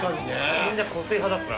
みんな個性派だったな。